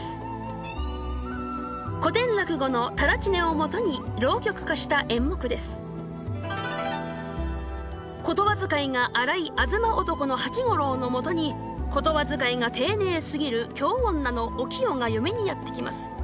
最初にお楽しみいただきますのは言葉遣いが荒い東男の八五郎のもとに言葉遣いが丁寧すぎる京女のお清が嫁にやって来ます。